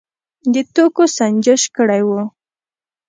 د توکو سنجش کړی و.